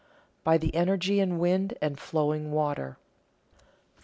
[Sidenote: By the energy in wind and flowing water] 4.